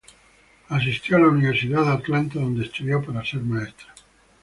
Asistió a la Universidad de Atlanta, donde estudió para ser maestra.